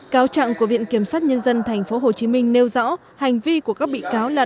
cáo trạng của viện kiểm soát nhân dân thành phố hồ chí minh nêu rõ hành vi của các bị cáo là